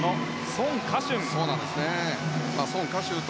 ソン・カシュンと